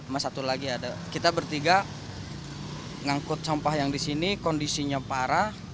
mas satu lagi ada kita bertiga ngangkut sampah yang di sini kondisinya parah